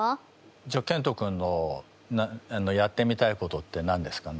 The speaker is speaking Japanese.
じゃあけんと君のやってみたいことって何ですか？